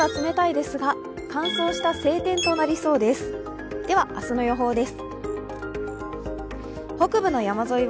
では明日の予報です。